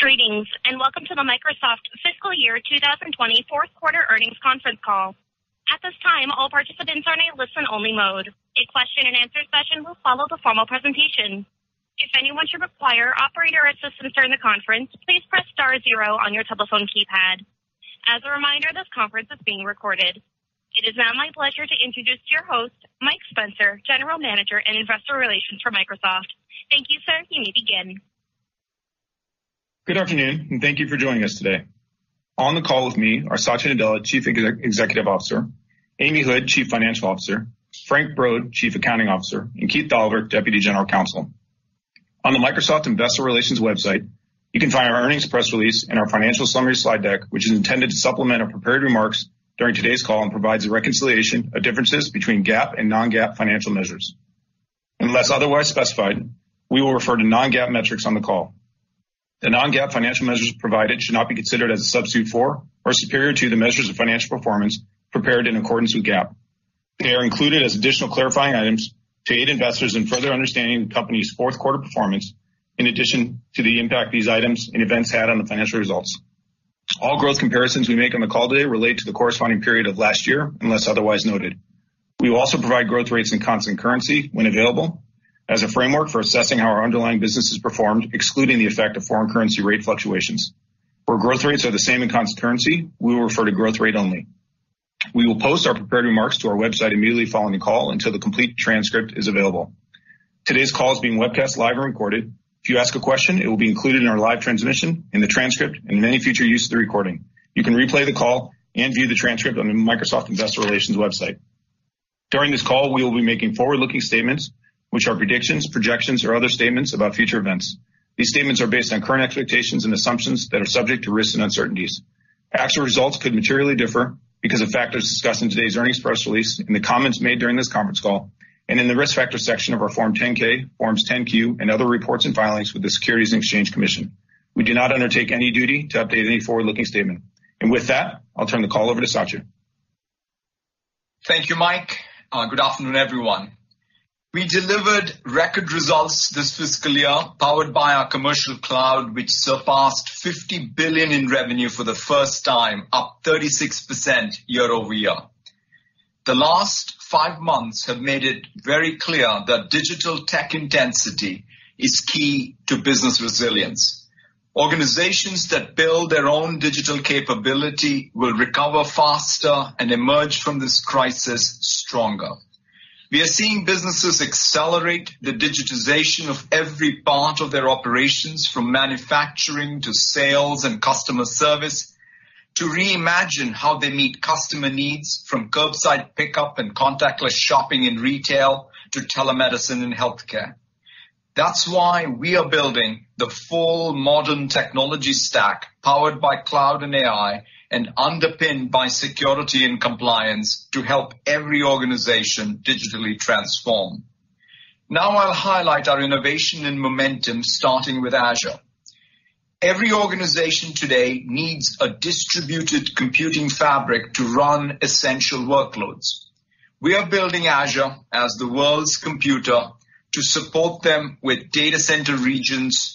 Greetings, and welcome to the Microsoft Fiscal Year 2020 Fourth Quarter Earnings Conference Call. At this time, all participants are in a listen-only mode. A question and answer session will follow the formal presentation. If anyone should require operator assistance during the conference, please press star zero on your telephone keypad. As a reminder, this conference is being recorded. It is now my pleasure to introduce your host, Mike Spencer, General Manager and Investor Relations for Microsoft. Thank you, sir. You may begin. Good afternoon, and thank you for joining us today. On the call with me are Satya Nadella, Chief Executive Officer, Amy Hood, Chief Financial Officer, Frank Brod, Chief Accounting Officer, and Keith Dolliver, Deputy General Counsel. On the Microsoft Investor Relations website, you can find our earnings press release and our financial summary slide deck, which is intended to supplement our prepared remarks during today's call and provides a reconciliation of differences between GAAP and non-GAAP financial measures. Unless otherwise specified, we will refer to non-GAAP metrics on the call. The non-GAAP financial measures provided should not be considered as a substitute for or superior to the measures of financial performance prepared in accordance with GAAP. They are included as additional clarifying items to aid investors in further understanding the company's fourth quarter performance in addition to the impact these items and events had on the financial results. All growth comparisons we make on the call today relate to the corresponding period of last year, unless otherwise noted. We will also provide growth rates in constant currency when available as a framework for assessing how our underlying business has performed, excluding the effect of foreign currency rate fluctuations. Where growth rates are the same in constant currency, we will refer to growth rate only. We will post our prepared remarks to our website immediately following the call until the complete transcript is available. Today's call is being webcast live and recorded. If you ask a question, it will be included in our live transmission, in the transcript, and in any future use of the recording. You can replay the call and view the transcript on the Microsoft Investor Relations website. During this call, we will be making forward-looking statements, which are predictions, projections, or other statements about future events. These statements are based on current expectations and assumptions that are subject to risks and uncertainties. Actual results could materially differ because of factors discussed in today's earnings press release, in the comments made during this conference call, and in the Risk Factors section of our Form 10-K, Form 10-Q, and other reports and filings with the Securities and Exchange Commission. We do not undertake any duty to update any forward-looking statement. With that, I'll turn the call over to Satya. Thank you, Mike. Good afternoon, everyone. We delivered record results this fiscal year powered by our commercial cloud, which surpassed $50 billion in revenue for the first time, up 36% year-over-year. The last five months have made it very clear that digital tech intensity is key to business resilience. Organizations that build their own digital capability will recover faster and emerge from this crisis stronger. We are seeing businesses accelerate the digitization of every part of their operations from manufacturing to sales and customer service to reimagine how they meet customer needs from curbside pickup and contactless shopping in retail to telemedicine in healthcare. That's why we are building the full modern technology stack powered by cloud and AI and underpinned by security and compliance to help every organization digitally transform. Now I'll highlight our innovation and momentum starting with Azure. Every organization today needs a distributed computing fabric to run essential workloads. We are building Azure as the world's computer to support them with data center regions,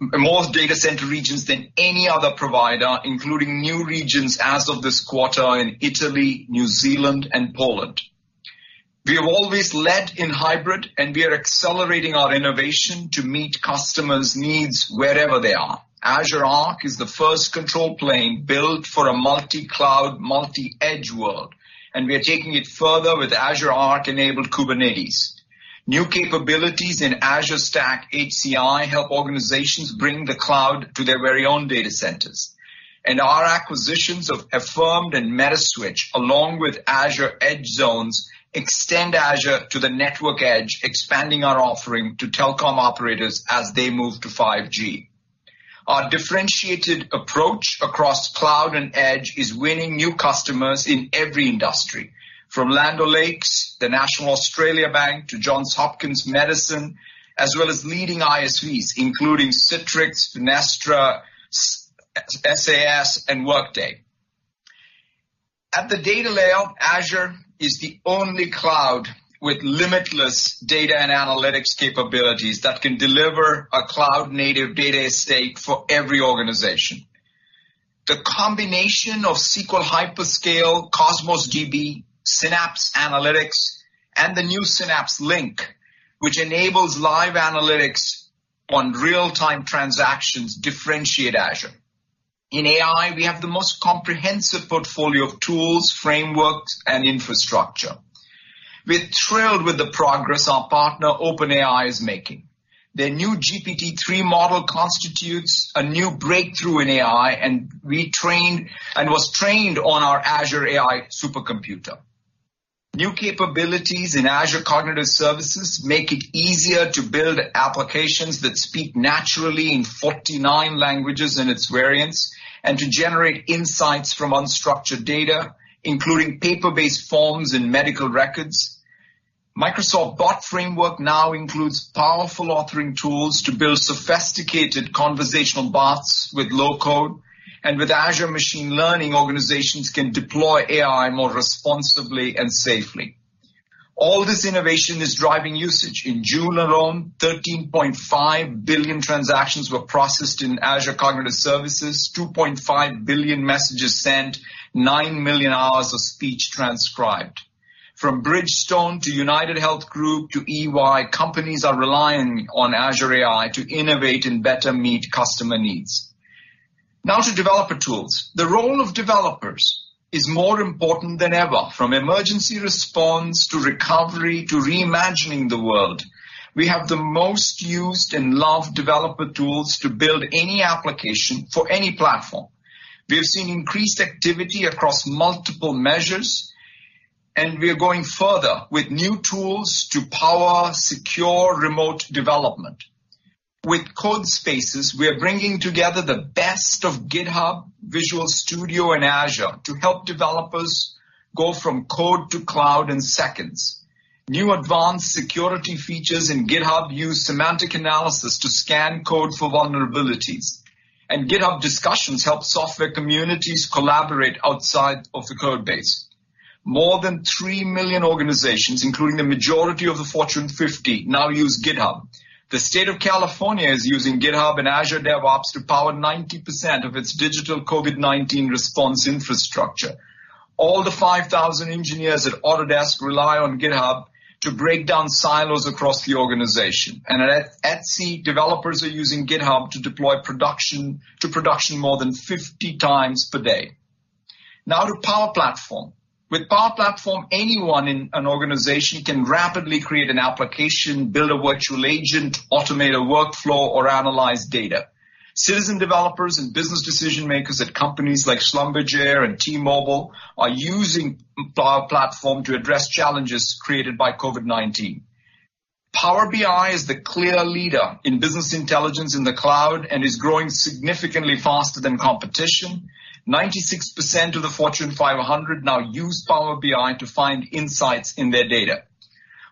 more data center regions than any other provider, including new regions as of this quarter in Italy, New Zealand, and Poland. We have always led in hybrid, we are accelerating our innovation to meet customers' needs wherever they are. Azure Arc is the first control plane built for a multi-cloud, multi-edge world, and we are taking it further with Azure Arc-enabled Kubernetes. New capabilities in Azure Stack HCI help organizations bring the cloud to their very own data centers. Our acquisitions of Affirmed and Metaswitch, along with Azure Edge Zones, extend Azure to the network edge, expanding our offering to telecom operators as they move to 5G. Our differentiated approach across cloud and edge is winning new customers in every industry, from Land O'Lakes, the National Australia Bank, to Johns Hopkins Medicine, as well as leading ISVs, including Citrix, Finastra, SAS, and Workday. At the data layer, Azure is the only cloud with limitless data and analytics capabilities that can deliver a cloud-native data estate for every organization. The combination of SQL Hyperscale, Cosmos DB, Synapse Analytics, and the new Synapse Link, which enables live analytics on real-time transactions differentiate Azure. In AI, we have the most comprehensive portfolio of tools, frameworks, and infrastructure. We're thrilled with the progress our partner OpenAI is making. Their new GPT-3 model constitutes a new breakthrough in AI and was trained on our Azure AI supercomputer. New capabilities in Azure Cognitive Services make it easier to build applications that speak naturally in 49 languages and its variants, and to generate insights from unstructured data, including paper-based forms and medical records. Microsoft Bot Framework now includes powerful authoring tools to build sophisticated conversational bots with low code, and with Azure Machine Learning, organizations can deploy AI more responsibly and safely. All this innovation is driving usage. In June alone, 13.5 billion transactions were processed in Azure Cognitive Services, 2.5 billion messages sent, 9 million hours of speech transcribed. From Bridgestone to UnitedHealth Group to EY, companies are relying on Azure AI to innovate and better meet customer needs. Now to developer tools. The role of developers is more important than ever, from emergency response to recovery to reimagining the world. We have the most used and loved developer tools to build any application for any platform. We have seen increased activity across multiple measures, and we are going further with new tools to power secure remote development. With Codespaces, we are bringing together the best of GitHub, Visual Studio, and Azure to help developers go from code to cloud in seconds. New advanced security features in GitHub use semantic analysis to scan code for vulnerabilities. GitHub Discussions help software communities collaborate outside of the code base. More than 3 million organizations, including the majority of the Fortune 50 now use GitHub. The state of California is using GitHub and Azure DevOps to power 90% of its digital COVID-19 response infrastructure. All the 5,000 engineers at Autodesk rely on GitHub to break down silos across the organization. At Etsy, developers are using GitHub to deploy to production more than 50 times per day. To Power Platform. With Power Platform, anyone in an organization can rapidly create an application, build a virtual agent, automate a workflow, or analyze data. Citizen developers and business decision-makers at companies like Schlumberger and T-Mobile are using Power Platform to address challenges created by COVID-19. Power BI is the clear leader in business intelligence in the cloud and is growing significantly faster than competition. 96% of the Fortune 500 now use Power BI to find insights in their data.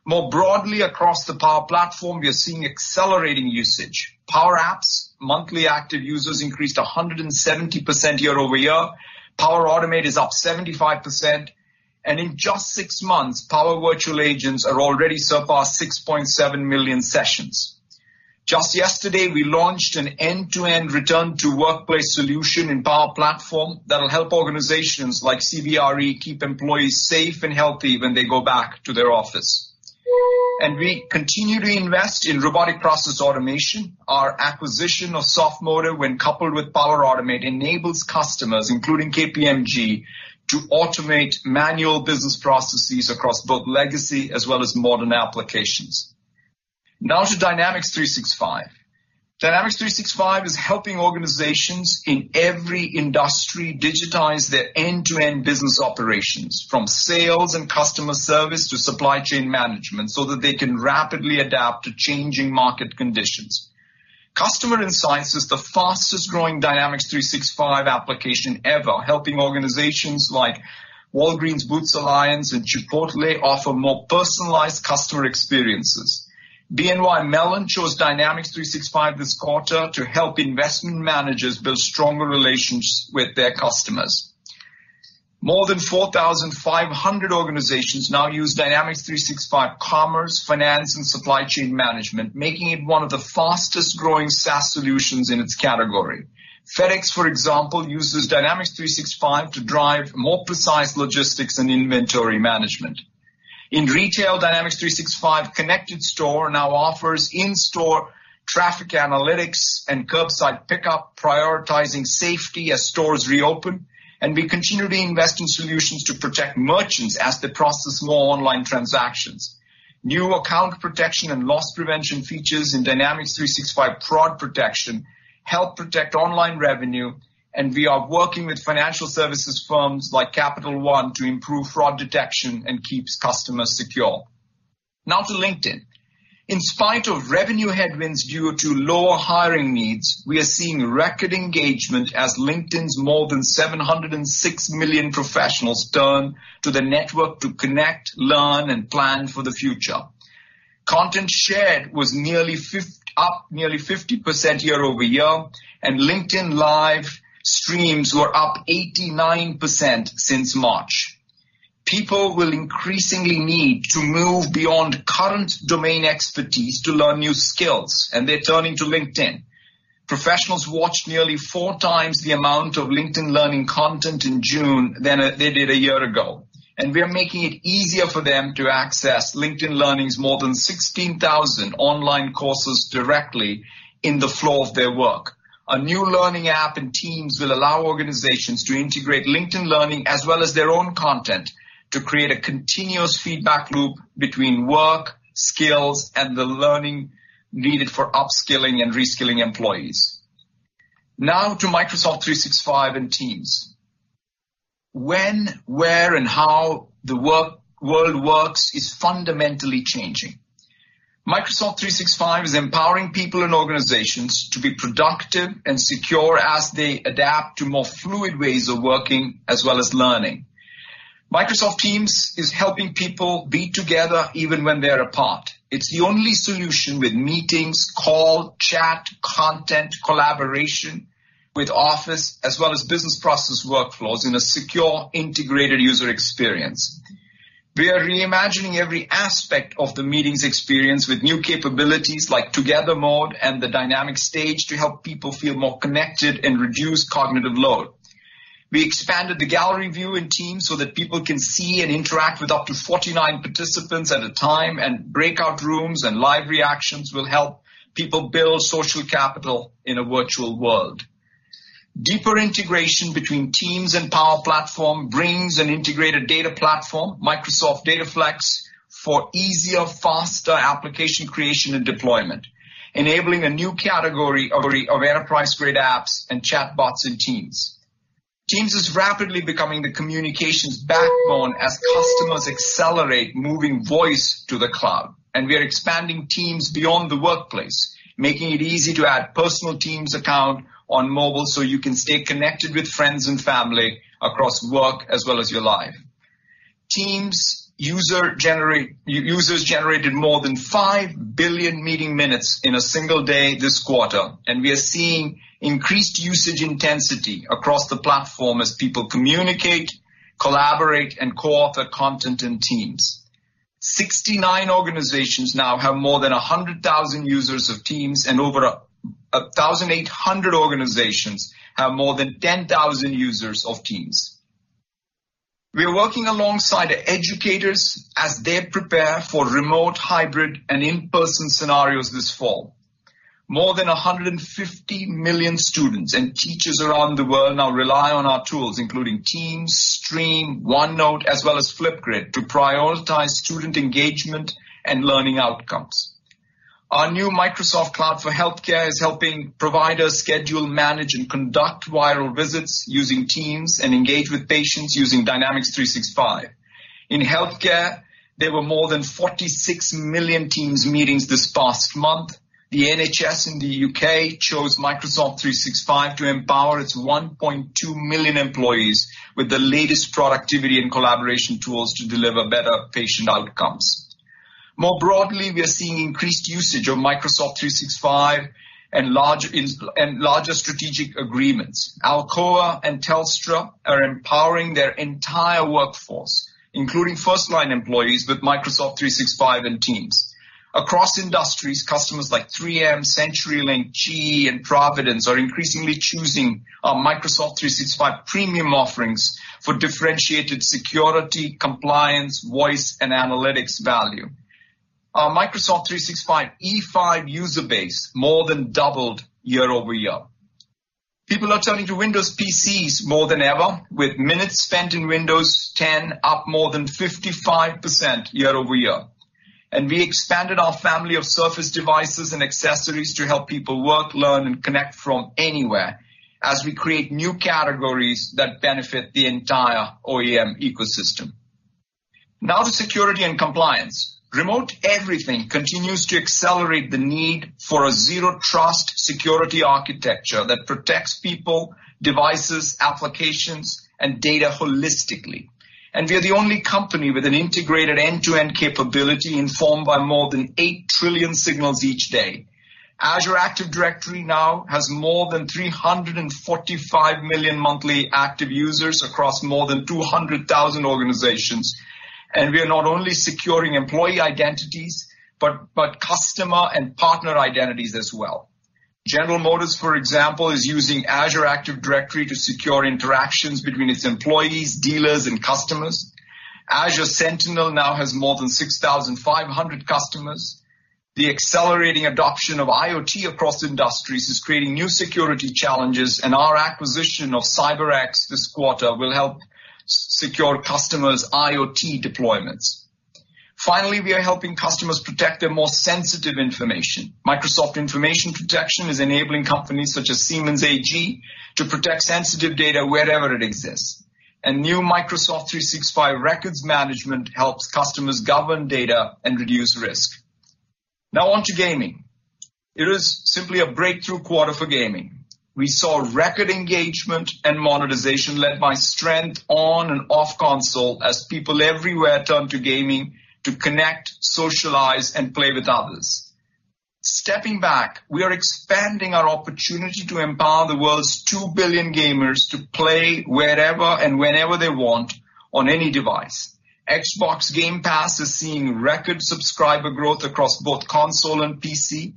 More broadly across the Power Platform, we are seeing accelerating usage. Power Apps monthly active users increased 170% year-over-year, Power Automate is up 75%, and in just six months, Power Virtual Agents are already surpassed 6.7 million sessions. Just yesterday, we launched an end-to-end return to workplace solution in Power Platform that will help organizations like CBRE keep employees safe and healthy when they go back to their office. We continue to invest in robotic process automation. Our acquisition of Softomotive when coupled with Power Automate enables customers, including KPMG, to automate manual business processes across both legacy as well as modern applications. Now to Dynamics 365. Dynamics 365 is helping organizations in every industry digitize their end-to-end business operations from sales and customer service to supply chain management so that they can rapidly adapt to changing market conditions. Customer Insights is the fastest-growing Dynamics 365 application ever, helping organizations like Walgreens Boots Alliance and Chipotle offer more personalized customer experiences. BNY Mellon chose Dynamics 365 this quarter to help investment managers build stronger relations with their customers. More than 4,500 organizations now use Dynamics 365 Commerce, Finance, and Supply Chain Management, making it one of the fastest-growing SaaS solutions in its category. FedEx, for example, uses Dynamics 365 to drive more precise logistics and inventory management. In retail, Dynamics 365 Connected Store now offers in-store traffic analytics and curbside pickup, prioritizing safety as stores reopen. We continue to invest in solutions to protect merchants as they process more online transactions. New account protection and loss prevention features in Dynamics 365 Fraud Protection help protect online revenue. We are working with financial services firms like Capital One to improve fraud detection and keeps customers secure. Now to LinkedIn. In spite of revenue headwinds due to lower hiring needs, we are seeing record engagement as LinkedIn's more than 706 million professionals turn to the network to connect, learn, and plan for the future. Content shared was up nearly 50% year-over-year, and LinkedIn Live streams were up 89% since March. People will increasingly need to move beyond current domain expertise to learn new skills, and they're turning to LinkedIn. Professionals watched nearly four times the amount of LinkedIn Learning content in June than they did a year ago, and we are making it easier for them to access LinkedIn Learning's more than 16,000 online courses directly in the flow of their work. A new learning app in Teams will allow organizations to integrate LinkedIn Learning as well as their own content to create a continuous feedback loop between work, skills, and the learning needed for upskilling and reskilling employees. Now to Microsoft 365 and Teams. When, where, and how the world works is fundamentally changing. Microsoft 365 is empowering people and organizations to be productive and secure as they adapt to more fluid ways of working as well as learning. Microsoft Teams is helping people be together even when they're apart. It's the only solution with meetings, call, chat, content, collaboration, with Office as well as business process workflows in a secure, integrated user experience. We are reimagining every aspect of the meetings experience with new capabilities like Together Mode and the dynamic stage to help people feel more connected and reduce cognitive load. We expanded the gallery view in Teams so that people can see and interact with up to 49 participants at a time. Breakout rooms and live reactions will help people build social capital in a virtual world. Deeper integration between Teams and Power Platform brings an integrated data platform, Microsoft Dataverse for Teams, for easier, faster application creation and deployment, enabling a new category of enterprise-grade apps and chatbots in Teams. Teams is rapidly becoming the communications backbone as customers accelerate moving voice to the cloud. We are expanding Teams beyond the workplace, making it easy to add personal Teams account on mobile so you can stay connected with friends and family across work as well as your life. Teams users generated more than 5 billion meeting minutes in a single day this quarter, and we are seeing increased usage intensity across the platform as people communicate, collaborate, and co-author content in Teams. 69 organizations now have more than 100,000 users of Teams, and over 1,800 organizations have more than 10,000 users of Teams. We are working alongside educators as they prepare for remote, hybrid, and in-person scenarios this fall. More than 150 million students and teachers around the world now rely on our tools, including Teams, Stream, OneNote, as well as Flipgrid, to prioritize student engagement and learning outcomes. Our new Microsoft Cloud for Healthcare is helping providers schedule, manage, and conduct viral visits using Teams and engage with patients using Dynamics 365. In healthcare, there were more than 46 million Teams meetings this past month. The NHS in the U.K. chose Microsoft 365 to empower its 1.2 million employees with the latest productivity and collaboration tools to deliver better patient outcomes. More broadly, we are seeing increased usage of Microsoft 365 and larger strategic agreements. Alcoa and Telstra are empowering their entire workforce, including first-line employees, with Microsoft 365 and Teams. Across industries, customers like 3M, CenturyLink, GE, and Providence are increasingly choosing our Microsoft 365 premium offerings for differentiated security, compliance, voice, and analytics value. Our Microsoft 365 E5 user base more than doubled year-over-year. People are turning to Windows PCs more than ever, with minutes spent in Windows 10 up more than 55% year-over-year. We expanded our family of Surface devices and accessories to help people work, learn, and connect from anywhere as we create new categories that benefit the entire OEM ecosystem. Now to security and compliance. Remote everything continues to accelerate the need for a Zero Trust security architecture that protects people, devices, applications, and data holistically. We are the only company with an integrated end-to-end capability informed by more than 8 trillion signals each day. Azure Active Directory now has more than 345 million monthly active users across more than 200,000 organizations. We are not only securing employee identities, but customer and partner identities as well. General Motors, for example, is using Azure Active Directory to secure interactions between its employees, dealers, and customers. Azure Sentinel now has more than 6,500 customers. The accelerating adoption of IoT across industries is creating new security challenges, and our acquisition of CyberX this quarter will help secure customers' IoT deployments. Finally, we are helping customers protect their more sensitive information. Microsoft Information Protection is enabling companies such as Siemens AG to protect sensitive data wherever it exists. New Microsoft 365 records management helps customers govern data and reduce risk. Now on to gaming. It was simply a breakthrough quarter for gaming. We saw record engagement and monetization led by strength on and off console as people everywhere turned to gaming to connect, socialize, and play with others. Stepping back, we are expanding our opportunity to empower the world's 2 billion gamers to play wherever and whenever they want on any device. Xbox Game Pass is seeing record subscriber growth across both console and PC,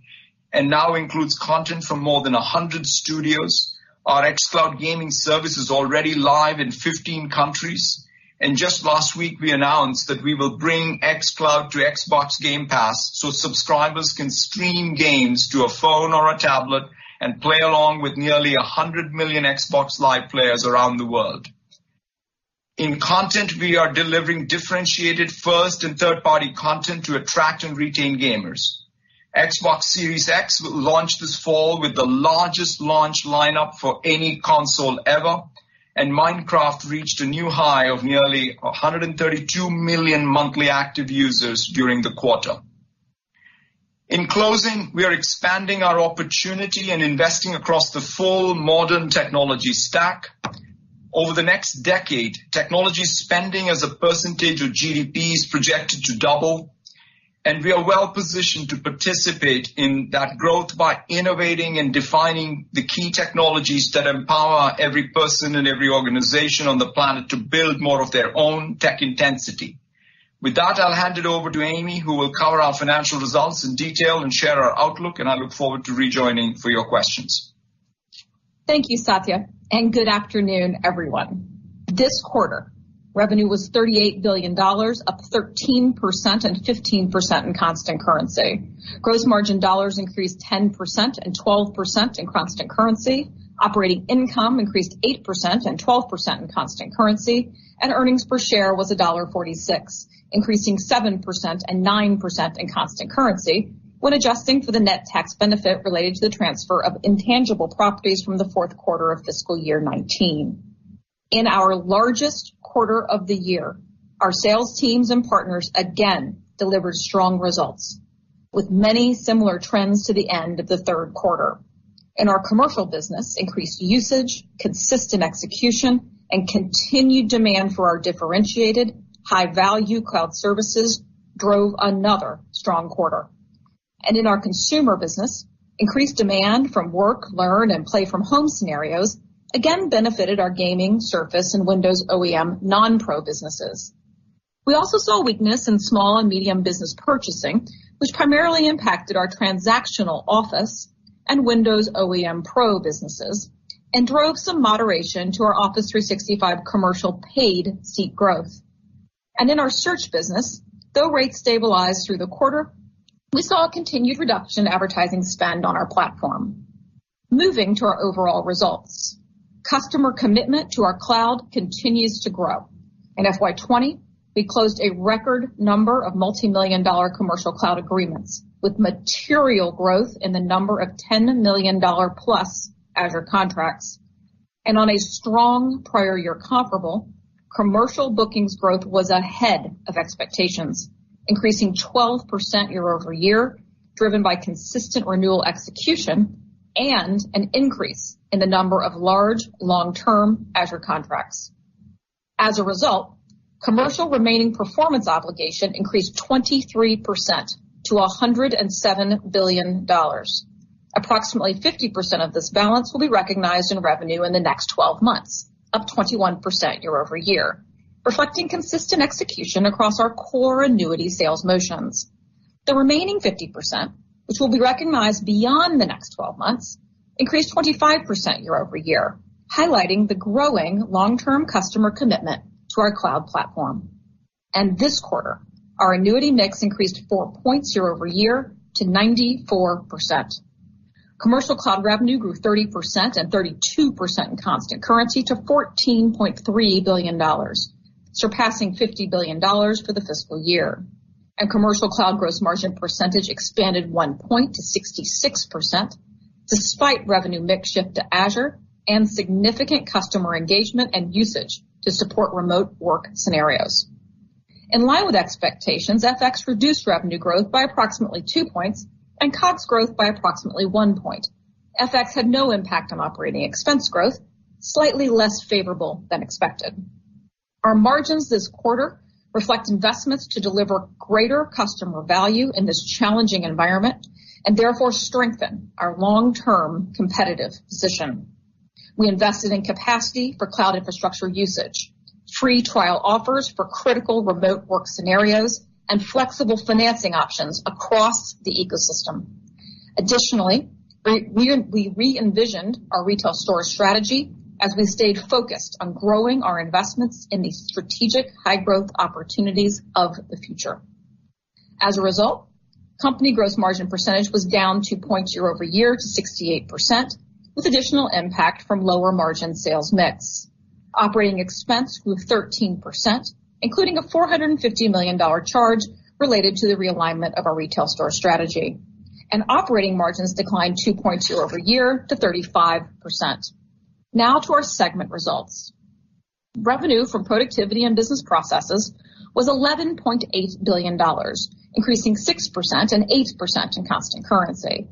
and now includes content from more than 100 studios. Our xCloud gaming service is already live in 15 countries. Just last week, we announced that we will bring xCloud to Xbox Game Pass, so subscribers can stream games to a phone or a tablet and play along with nearly 100 million Xbox Live players around the world. In content, we are delivering differentiated first and third-party content to attract and retain gamers. Xbox Series X will launch this fall with the largest launch lineup for any console ever, and Minecraft reached a new high of nearly 132 million monthly active users during the quarter. In closing, we are expanding our opportunity and investing across the full modern technology stack. Over the next decade, technology spending as a percentage of GDP is projected to double. We are well-positioned to participate in that growth by innovating and defining the key technologies that empower every person and every organization on the planet to build more of their own tech intensity. With that, I'll hand it over to Amy, who will cover our financial results in detail and share our outlook. I look forward to rejoining for your questions. Thank you, Satya, and good afternoon, everyone. This quarter, revenue was $38 billion, up 13% and 15% in constant currency. Gross margin dollars increased 10% and 12% in constant currency. Operating income increased 8% and 12% in constant currency. Earnings per share was $1.46, increasing 7% and 9% in constant currency when adjusting for the net tax benefit related to the transfer of intangible properties from the fourth quarter of fiscal year 2019. In our largest quarter of the year, our sales teams and partners again delivered strong results with many similar trends to the end of the third quarter. In our commercial business, increased usage, consistent execution, and continued demand for our differentiated high-value cloud services drove another strong quarter. In our consumer business, increased demand from work, learn, and play from home scenarios again benefited our gaming, Surface, and Windows OEM non-Pro businesses. We also saw weakness in small and medium business purchasing, which primarily impacted our transactional Office and Windows OEM Pro businesses and drove some moderation to our Office 365 commercial paid seat growth. In our search business, though rates stabilized through the quarter, we saw a continued reduction in advertising spend on our platform. Moving to our overall results. Customer commitment to our cloud continues to grow. In FY 2020, we closed a record number of multimillion-dollar commercial cloud agreements with material growth in the number of $10 million-plus Azure contracts. On a strong prior year comparable, commercial bookings growth was ahead of expectations, increasing 12% year-over-year, driven by consistent renewal execution and an increase in the number of large, long-term Azure contracts. As a result, commercial remaining performance obligation increased 23% to $107 billion. Approximately 50% of this balance will be recognized in revenue in the next 12 months, up 21% year-over-year, reflecting consistent execution across our core annuity sales motions. The remaining 50%, which will be recognized beyond the next 12 months, increased 25% year-over-year, highlighting the growing long-term customer commitment to our cloud platform. This quarter, our annuity mix increased 4 points year-over-year to 94%. Commercial cloud revenue grew 30% and 32% in constant currency to $14.3 billion, surpassing $50 billion for the fiscal year. Commercial cloud gross margin percentage expanded 1 point to 66% despite revenue mix shift to Azure and significant customer engagement and usage to support remote work scenarios. In line with expectations, FX reduced revenue growth by approximately 2 points and COGS growth by approximately 1 point. FX had no impact on operating expense growth, slightly less favorable than expected. Our margins this quarter reflect investments to deliver greater customer value in this challenging environment and therefore strengthen our long-term competitive position. We invested in capacity for cloud infrastructure usage, free trial offers for critical remote work scenarios, and flexible financing options across the ecosystem. Additionally, we re-envisioned our retail store strategy as we stayed focused on growing our investments in the strategic high-growth opportunities of the future. Company gross margin percentage was down 2 points year-over-year to 68% with additional impact from lower margin sales mix. Operating expense grew 13%, including a $450 million charge related to the realignment of our retail store strategy. Operating margins declined 2 points year-over-year to 35%. To our segment results. Revenue from productivity and business processes was $11.8 billion, increasing 6% and 8% in constant currency.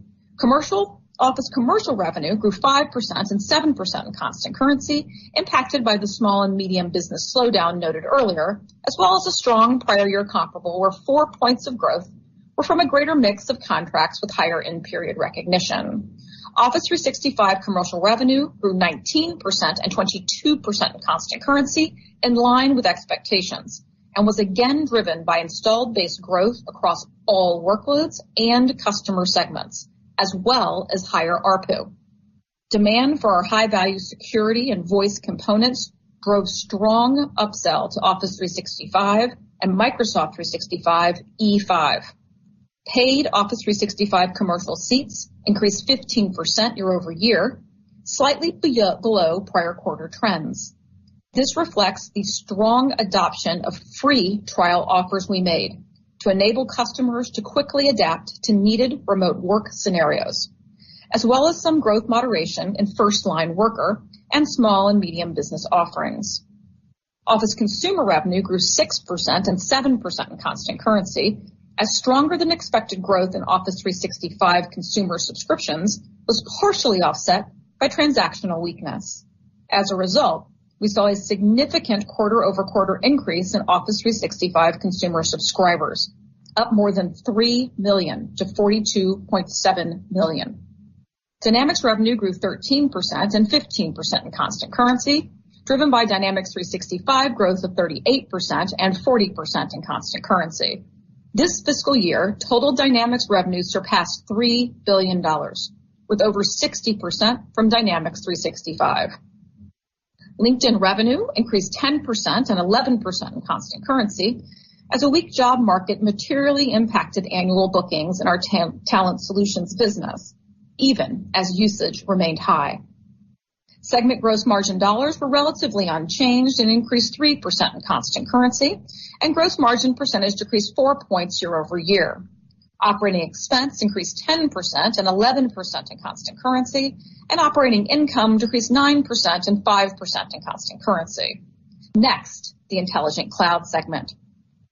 Office Commercial revenue grew 5% and 7% in constant currency impacted by the small and medium business slowdown noted earlier, as well as a strong prior year comparable, where 4 points of growth were from a great mix of contracts with higher in-period recognition. Office 365 Commercial revenue grew 19% and 22% in constant currency in line with expectations and was again driven by installed base growth across all workloads and customer segments as well as higher ARPU. Demand for our high-value security and voice components drove strong upsell to Office 365 and Microsoft 365 E5. Paid Office 365 Commercial seats increased 15% year-over-year, slightly below prior quarter trends. This reflects the strong adoption of free trial offers we made to enable customers to quickly adapt to needed remote work scenarios, as well as some growth moderation in firstline worker and small and medium business offerings. Office consumer revenue grew 6% and 7% in constant currency as stronger than expected growth in Office 365 consumer subscriptions was partially offset by transactional weakness. As a result, we saw a significant quarter-over-quarter increase in Office 365 consumer subscribers, up more than 3 million to 42.7 million. Dynamics revenue grew 13% and 15% in constant currency, driven by Dynamics 365 growth of 38% and 40% in constant currency. This fiscal year, total Dynamics revenue surpassed $3 billion with over 60% from Dynamics 365. LinkedIn revenue increased 10% and 11% in constant currency as a weak job market materially impacted annual bookings in our Talent Solutions business, even as usage remained high. Segment gross margin dollars were relatively unchanged and increased 3% in constant currency, and gross margin percentage decreased 4 points year-over-year. Operating expense increased 10% and 11% in constant currency, and operating income decreased 9% and 5% in constant currency. Next, the Intelligent Cloud segment.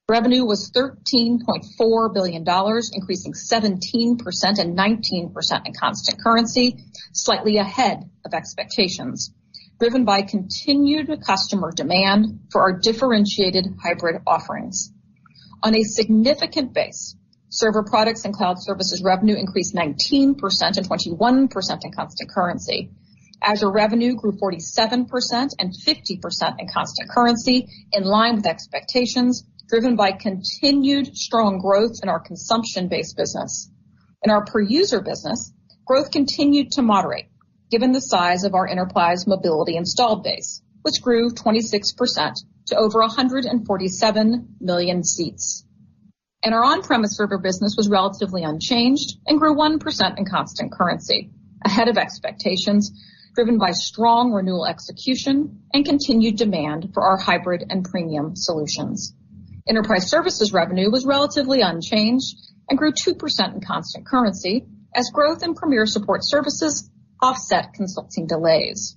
Revenue was $13.4 billion, increasing 17% and 19% in constant currency, slightly ahead of expectations, driven by continued customer demand for our differentiated hybrid offerings. On a significant base, server products and cloud services revenue increased 19% and 21% in constant currency. Azure revenue grew 47% and 50% in constant currency in line with expectations driven by continued strong growth in our consumption-based business. In our per user business, growth continued to moderate given the size of our enterprise mobility installed base, which grew 26% to over 147 million seats. Our on-premise server business was relatively unchanged and grew 1% in constant currency, ahead of expectations, driven by strong renewal execution and continued demand for our hybrid and premium solutions. Enterprise services revenue was relatively unchanged and grew 2% in constant currency as growth in premier support services offset consulting delays.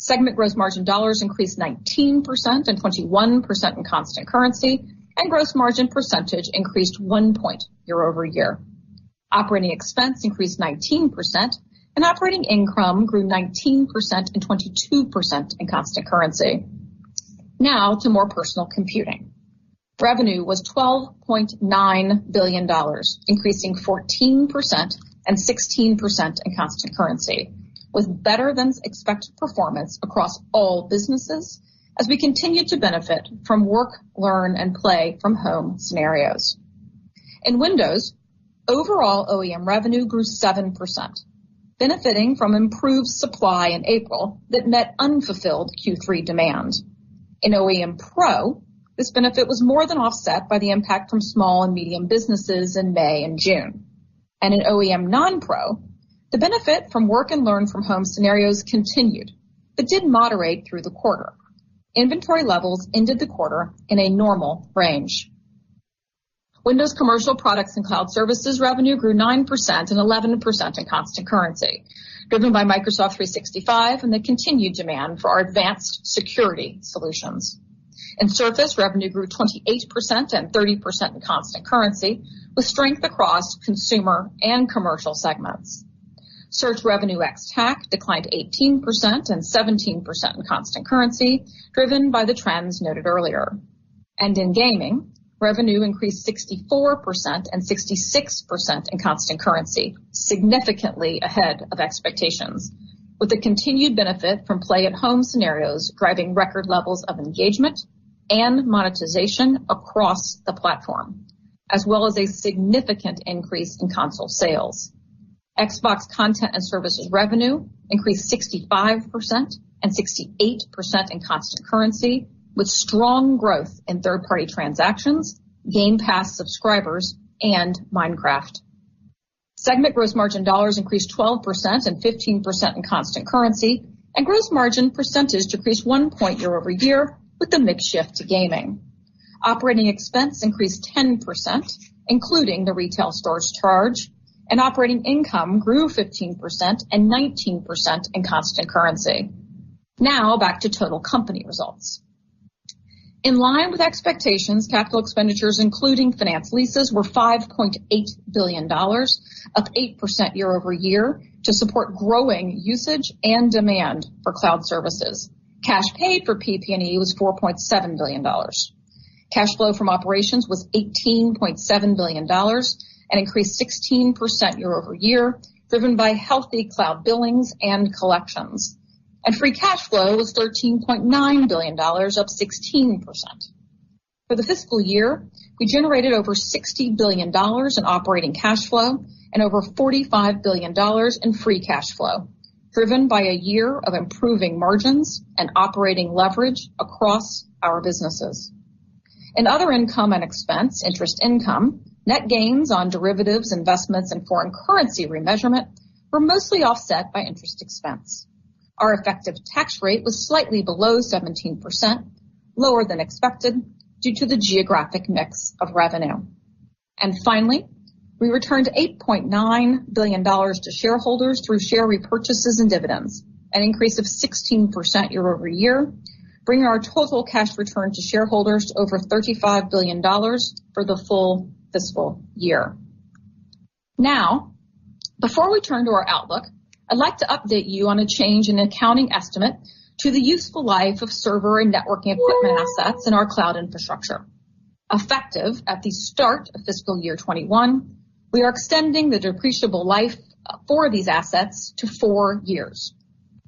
Segment gross margin dollars increased 19% and 21% in constant currency, and gross margin percentage increased 1 point year-over-year. Operating expense increased 19%, and operating income grew 19% and 22% in constant currency. Now to more personal computing. Revenue was $12.9 billion, increasing 14% and 16% in constant currency, with better than expected performance across all businesses as we continue to benefit from work, learn, and play from home scenarios. In Windows, overall OEM revenue grew 7%, benefiting from improved supply in April that met unfulfilled Q3 demand. In OEM Pro, this benefit was more than offset by the impact from small and medium businesses in May and June. In OEM non-Pro, the benefit from work and learn from home scenarios continued but did moderate through the quarter. Inventory levels ended the quarter in a normal range. Windows commercial products and cloud services revenue grew 9% and 11% in constant currency, driven by Microsoft 365 and the continued demand for our advanced security solutions. In Surface, revenue grew 28% and 30% in constant currency with strength across consumer and commercial segments. Search revenue ex-TAC declined 18% and 17% in constant currency driven by the trends noted earlier. In gaming, revenue increased 64% and 66% in constant currency, significantly ahead of expectations, with the continued benefit from play-at-home scenarios driving record levels of engagement and monetization across the platform, as well as a significant increase in console sales. Xbox content and services revenue increased 65% and 68% in constant currency with strong growth in third-party transactions, Game Pass subscribers, and Minecraft. Segment gross margin dollars increased 12% and 15% in constant currency, gross margin percentage decreased 1 point year-over-year with the mix shift to gaming. Operating expense increased 10%, including the retail stores charge, and operating income grew 15% and 19% in constant currency. Now back to total company results. In line with expectations, capital expenditures, including finance leases, were $5.8 billion, up 8% year-over-year to support growing usage and demand for cloud services. Cash paid for PP&E was $4.7 billion. Cash flow from operations was $18.7 billion and increased 16% year-over-year, driven by healthy cloud billings and collections. Free cash flow was $13.9 billion, up 16%. For the fiscal year, we generated over $60 billion in operating cash flow and over $45 billion in free cash flow, driven by a year of improving margins and operating leverage across our businesses. In other income and expense, interest income, net gains on derivatives, investments, and foreign currency remeasurement were mostly offset by interest expense. Our effective tax rate was slightly below 17%, lower than expected due to the geographic mix of revenue. Finally, we returned $8.9 billion to shareholders through share repurchases and dividends, an increase of 16% year-over-year, bringing our total cash return to shareholders to over $35 billion for the full fiscal year. Now, before we turn to our outlook, I'd like to update you on a change in accounting estimate to the useful life of server and networking equipment assets in our cloud infrastructure. Effective at the start of fiscal year 2021, we are extending the depreciable life for these assets to four years,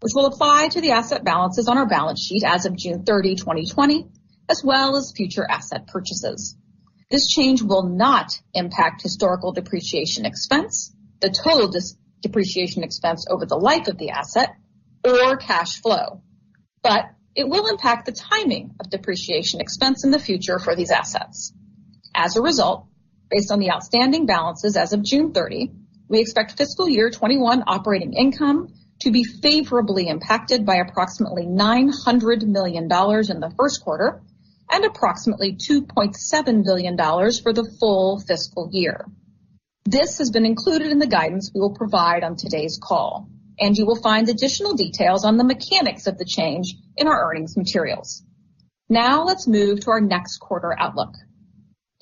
which will apply to the asset balances on our balance sheet as of June 30, 2020, as well as future asset purchases. This change will not impact historical depreciation expense, the total depreciation expense over the life of the asset or cash flow. It will impact the timing of depreciation expense in the future for these assets. As a result, based on the outstanding balances as of June 30, we expect fiscal year 2021 operating income to be favorably impacted by approximately $900 million in the first quarter and approximately $2.7 billion for the full fiscal year. This has been included in the guidance we will provide on today's call, and you will find additional details on the mechanics of the change in our earnings materials. Now let's move to our next quarter outlook.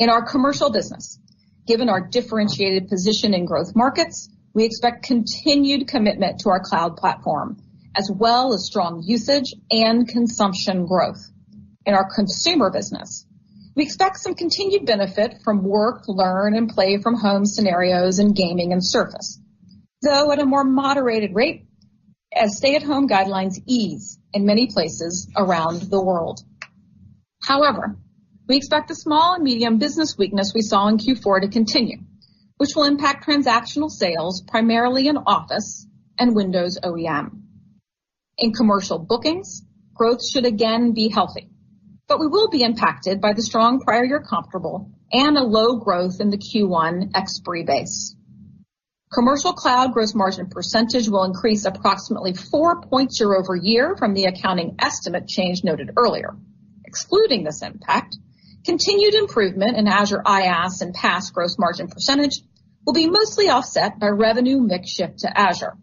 In our commercial business, given our differentiated position in growth markets, we expect continued commitment to our cloud platform, as well as strong usage and consumption growth. In our consumer business, we expect some continued benefit from work, learn, and play from home scenarios in gaming and Surface, though at a more moderated rate as stay-at-home guidelines ease in many places around the world. However, we expect the small and medium business weakness we saw in Q4 to continue, which will impact transactional sales primarily in Office and Windows OEM. In commercial bookings, growth should again be healthy. We will be impacted by the strong prior year comparable and a low growth in the Q1 expiry base. Commercial cloud gross margin percentage will increase approximately 4 points year-over-year from the accounting estimate change noted earlier. Excluding this impact, continued improvement in Azure IaaS and PaaS gross margin percentage will be mostly offset by revenue mix shift to Azure.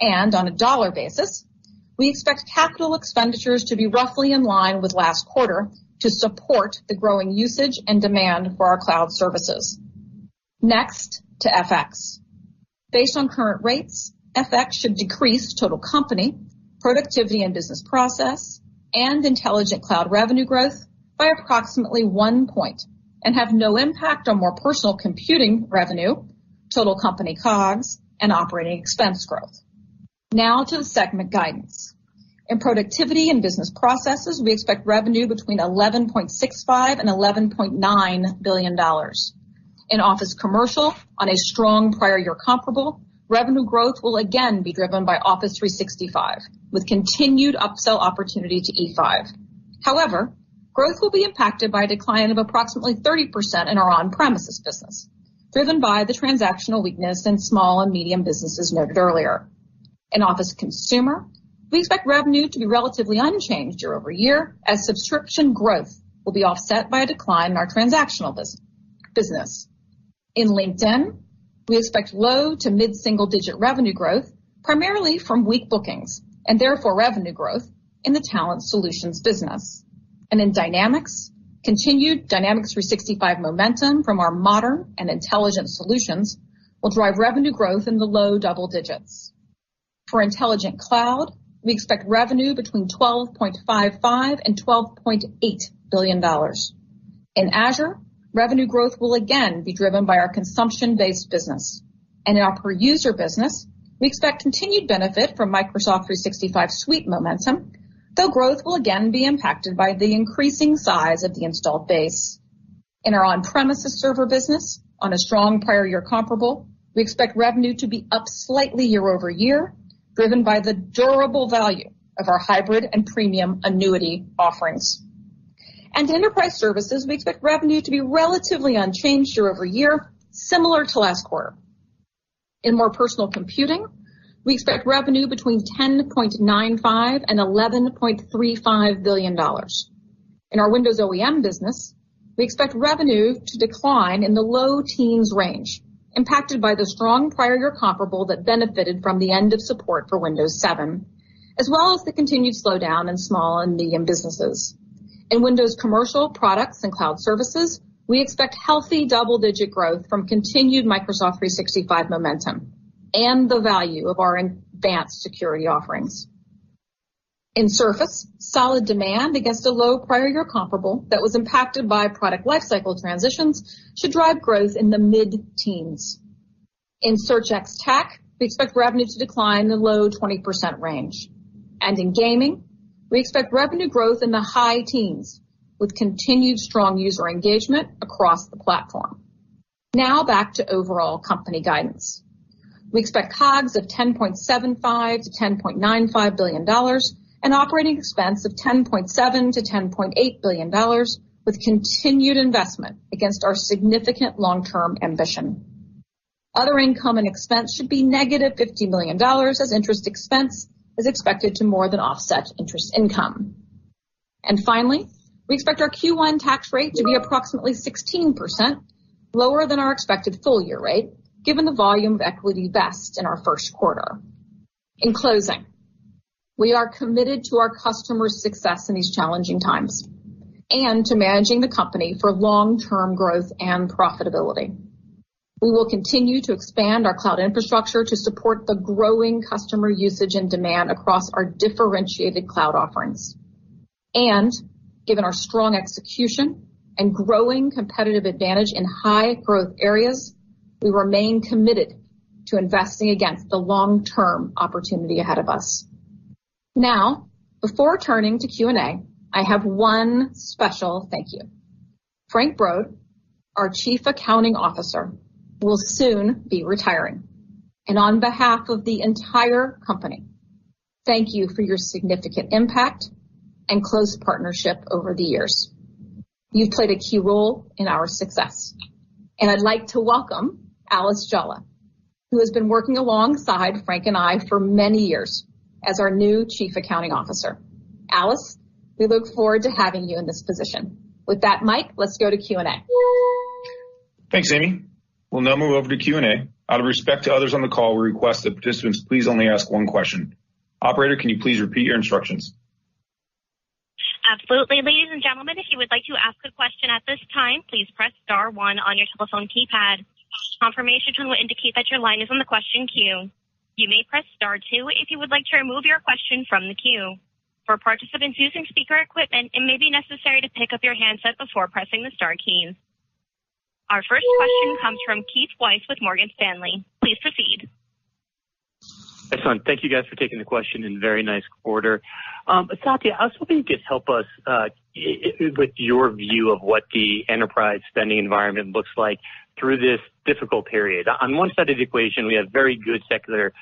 On a dollar basis, we expect capital expenditures to be roughly in line with last quarter to support the growing usage and demand for our cloud services. Next, to FX. Based on current rates, FX should decrease total company productivity and business process and Intelligent Cloud revenue growth by approximately 1 point and have no impact on More Personal Computing revenue, total company COGS, and operating expense growth. Now to the segment guidance. In productivity and business processes, we expect revenue between $11.65 billion and $11.9 billion. In Office Commercial on a strong prior year comparable, revenue growth will again be driven by Office 365, with continued upsell opportunity to E5. Growth will be impacted by a decline of approximately 30% in our on-premises business, driven by the transactional weakness in small and medium businesses noted earlier. In Office Consumer, we expect revenue to be relatively unchanged year-over-year as subscription growth will be offset by a decline in our transactional business. In LinkedIn, we expect low to mid-single-digit revenue growth, primarily from weak bookings and therefore revenue growth in the Talent Solutions business. In Dynamics, continued Dynamics 365 momentum from our modern and intelligent solutions will drive revenue growth in the low double digits. For Intelligent Cloud, we expect revenue between $12.55 billion and $12.8 billion. In Azure, revenue growth will again be driven by our consumption-based business. In our per-user business, we expect continued benefit from Microsoft 365 suite momentum, though growth will again be impacted by the increasing size of the installed base. In our on-premises server business on a strong prior year comparable, we expect revenue to be up slightly year-over-year, driven by the durable value of our hybrid and premium annuity offerings. Enterprise Services, we expect revenue to be relatively unchanged year-over-year, similar to last quarter. In More Personal Computing, we expect revenue between $10.95 billion and $11.35 billion. In our Windows OEM business, we expect revenue to decline in the low teens range, impacted by the strong prior year comparable that benefited from the end of support for Windows 7, as well as the continued slowdown in small and medium businesses. In Windows Commercial Products and Cloud Services, we expect healthy double-digit growth from continued Microsoft 365 momentum and the value of our advanced security offerings. In Surface, solid demand against a low prior year comparable that was impacted by product lifecycle transitions should drive growth in the mid-teens. In Search ex-TAC, we expect revenue to decline in the low 20% range. In gaming, we expect revenue growth in the high teens with continued strong user engagement across the platform. Now, back to overall company guidance. We expect COGS of $10.75 billion-$10.95 billion and operating expense of $10.7 billion-$10.8 billion, with continued investment against our significant long-term ambition. Other income and expense should be -$50 million as interest expense is expected to more than offset interest income. Finally, we expect our Q1 tax rate to be approximately 16%, lower than our expected full-year rate given the volume of equity vesting in our first quarter. In closing, we are committed to our customers' success in these challenging times and to managing the company for long-term growth and profitability. We will continue to expand our cloud infrastructure to support the growing customer usage and demand across our differentiated cloud offerings. Given our strong execution and growing competitive advantage in high-growth areas, we remain committed to investing against the long-term opportunity ahead of us. Now, before turning to Q&A, I have one special thank you. Frank Brod, our chief accounting officer, will soon be retiring. On behalf of the entire company, thank you for your significant impact and close partnership over the years. You've played a key role in our success. I'd like to welcome Alice Jolla, who has been working alongside Frank and I for many years as our new Chief Accounting Officer. Alice, we look forward to having you in this position. With that, Mike, let's go to Q&A. Thanks, Amy. We'll now move over to Q&A. Out of respect to others on the call, we request that participants please only ask one question. Operator, can you please repeat your instructions? Absolutely. Ladies and gentlemen, if you would like to ask a question at this time, please press star one on your telephone keypad. Confirmation tone will indicate that your line is on the question queue. You may press star two if you would like to remove your question from the queue. For participants using speaker equipment, it may be necessary to pick up your handset before pressing the star key. Our first question comes from Keith Weiss with Morgan Stanley. Please proceed. Excellent. Thank you guys for taking the question, and very nice quarter. Satya, I was hoping you could help us with your view of what the enterprise spending environment looks like through this difficult period. On one side of the equation, we have very good secular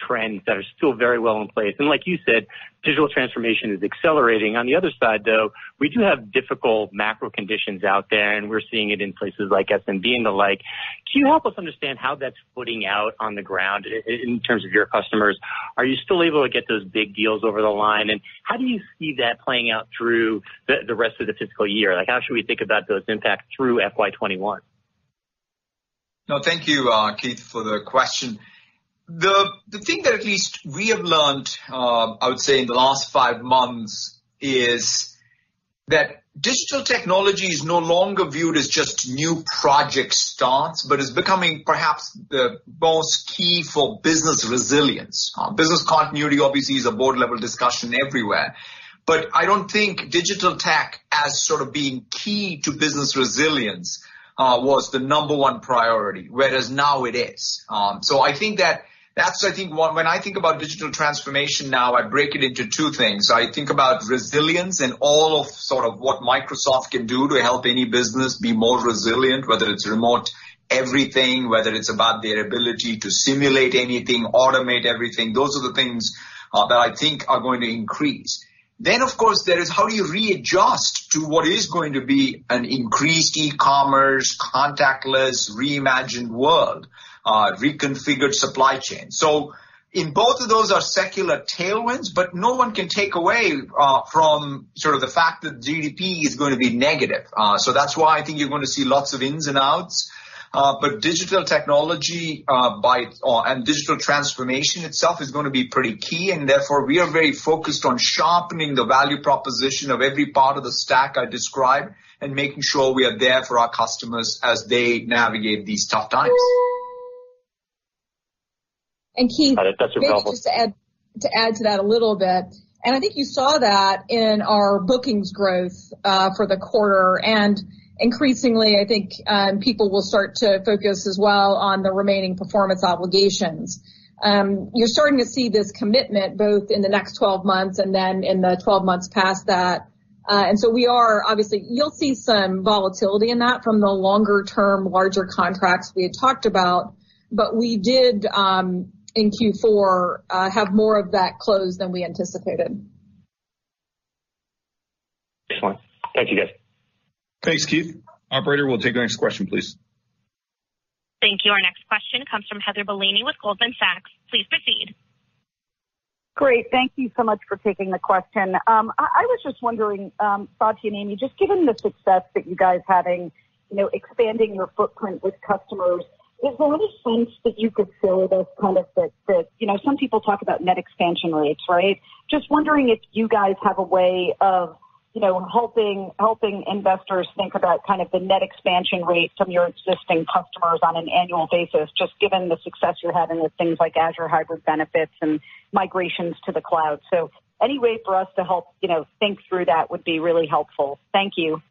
trends that are still very well in place. Like you said, digital transformation is accelerating. On the other side, though, we do have difficult macro conditions out there, and we're seeing it in places like SMB and the like. Can you help us understand how that's footing out on the ground in terms of your customers? Are you still able to get those big deals over the line? How do you see that playing out through the rest of the fiscal year? Like, how should we think about those impacts through FY 2021? No, thank you, Keith, for the question. The thing that at least we have learnt, I would say in the last five months is that digital technology is no longer viewed as just new project starts, but is becoming perhaps the most key for business resilience. Business continuity obviously is a board-level discussion everywhere. I don't think digital tech as sort of being key to business resilience was the number one priority, whereas now it is. I think that that's, I think, one. When I think about digital transformation now, I break it into two things. I think about resilience and all of sort of what Microsoft can do to help any business be more resilient, whether it's Remote Everything, whether it's about their ability to simulate anything, automate everything. Those are the things that I think are going to increase. Then, of course, there is how do you readjust to what is going to be an increased e-commerce, contactless, reimagined world, reconfigured supply chain. In both of those are secular tailwinds, but no one can take away from sort of the fact that GDP is going to be negative. That's why I think you're going to see lots of ins and outs. Digital technology, by and digital transformation itself is going to be pretty key, and therefore we are very focused on sharpening the value proposition of every part of the stack I described and making sure we are there for our customers as they navigate these tough times. Keith... That's a...... Maybe just to add, to add to that a little bit, and I think you saw that in our bookings growth, for the quarter. Increasingly I think, people will start to focus as well on the remaining performance obligations. You're starting to see this commitment both in the next 12 months and then in the 12 months past that. So we are, obviously, you'll see some volatility in that from the longer-term, larger contracts we had talked about, but we did, in Q4, have more of that close than we anticipated. Excellent. Thank you, guys. Thanks, Keith. Operator, we'll take our next question, please. Thank you. Our next question comes from Heather Bellini with Goldman Sachs. Please proceed. Great. Thank you so much for taking the question. I was just wondering, Satya and Amy, just given the success that you guys are having, you know, expanding your footprint with customers, is there any sense that you could share those kind of the, you know, some people talk about net expansion rates, right? Just wondering if you guys have a way of, you know, helping investors think about kind of the net expansion rate from your existing customers on an annual basis, just given the success you're having with things like Azure Hybrid Benefit and migrations to the cloud. Any way for us to help, you know, think through that would be really helpful. Thank you.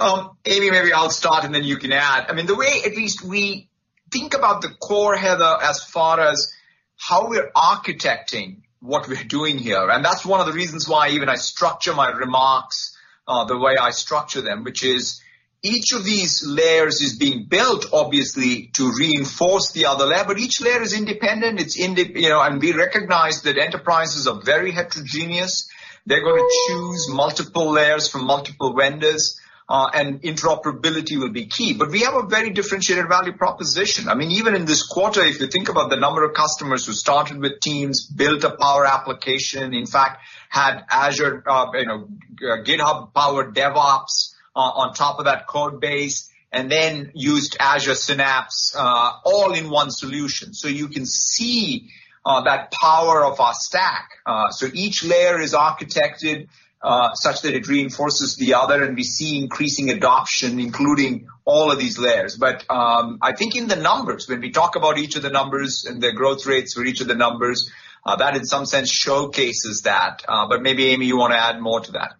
Amy, maybe I'll start, and then you can add. I mean, the way at least we think about the core, Heather, as far as how we're architecting what we're doing here, and that's one of the reasons why even I structure my remarks, the way I structure them, which is each of these layers is being built obviously to reinforce the other layer, but each layer is independent. you know, and we recognize that enterprises are very heterogeneous. They're gonna choose multiple layers from multiple vendors, and interoperability will be key. We have a very differentiated value proposition. I mean, even in this quarter, if you think about the number of customers who started with Teams, built a Power application, in fact had Azure, you know, GitHub-powered DevOps on top of that code base, and then used Azure Synapse, all in one solution. You can see that power of our stack. Each layer is architected such that it reinforces the other, and we see increasing adoption, including all of these layers. I think in the numbers, when we talk about each of the numbers and the growth rates for each of the numbers, that in some sense showcases that. Maybe, Amy, you wanna add more to that.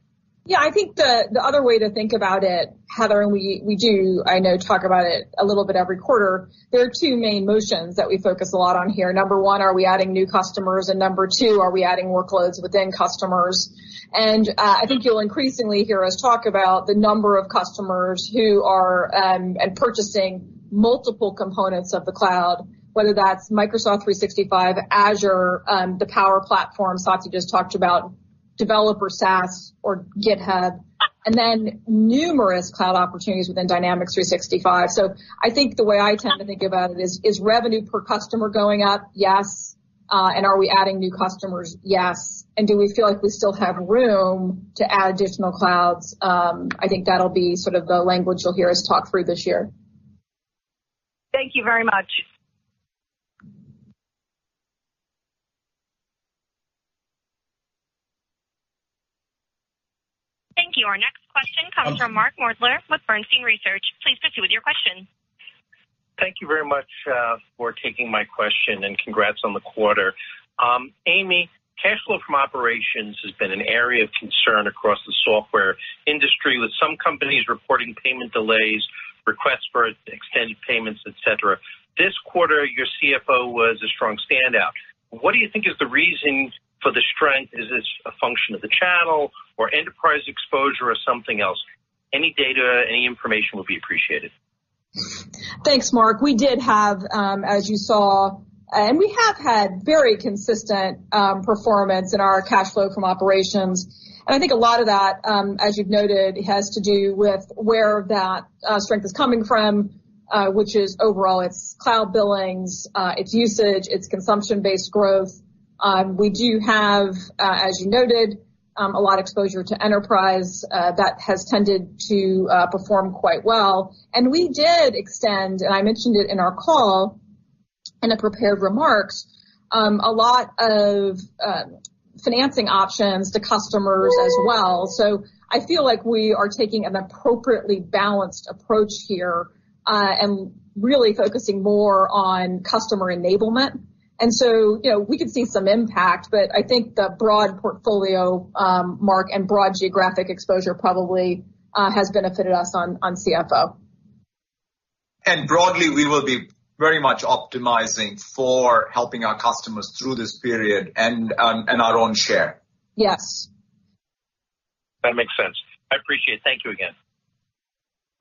I think the other way to think about it, Heather, and we do talk about it a little bit every quarter, there are two main motions that we focus a lot on here. Number one, are we adding new customers? Number two, are we adding workloads within customers? I think you'll increasingly hear us talk about the number of customers who are purchasing multiple components of the cloud, whether that's Microsoft 365, Azure, the Power Platform Satya just talked about, developer SaaS or GitHub, then numerous cloud opportunities within Dynamics 365. I think the way I tend to think about it is revenue per customer going up? Yes. Are we adding new customers? Yes. Do we feel like we still have room to add additional clouds? I think that'll be sort of the language you'll hear us talk through this year. Thank you very much. Thank you. Our next question comes from Mark Moerdler with Bernstein Research. Please proceed with your question. Thank you very much for taking my question, and congrats on the quarter. Amy, cash flow from operations has been an area of concern across the software industry, with some companies reporting payment delays, requests for extended payments, et cetera. This quarter, your CFO was a strong standout. What do you think is the reason for the strength? Is this a function of the channel or enterprise exposure or something else? Any data, any information will be appreciated. Thanks, Mark. We did have, as you saw, and we have had very consistent performance in our cash flow from operations. I think a lot of that, as you've noted, has to do with where that strength is coming from, which is overall its cloud billings, its usage, its consumption-based growth. We do have, as you noted, a lot of exposure to enterprise that has tended to perform quite well. We did extend, and I mentioned it in our call in the prepared remarks, a lot of financing options to customers as well. I feel like we are taking an appropriately balanced approach here, and really focusing more on customer enablement. You know, we could see some impact, but I think the broad portfolio, Mark, and broad geographic exposure probably has benefited us on CFO. Broadly, we will be very much optimizing for helping our customers through this period and our own share. Yes. That makes sense. I appreciate it. Thank you again.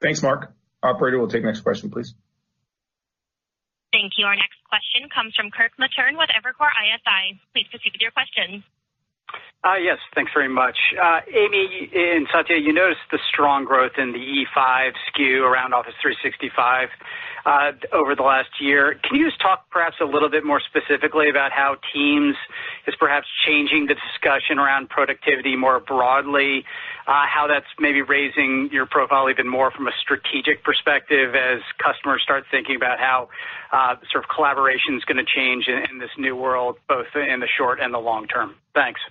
Thanks, Mark. Operator, we'll take the next question, please. Thank you. Our next question comes from Kirk Materne with Evercore ISI. Please proceed with your question. Yes. Thanks very much. Amy and Satya, you noticed the strong growth in the E5 SKU around Office 365, over the last year. Can you just talk perhaps a little bit more specifically about how Teams is perhaps changing the discussion around productivity more broadly? How that's maybe raising your profile even more from a strategic perspective as customers start thinking about how, sort of collaboration's gonna change in this new world, both in the short and the long term? Thanks.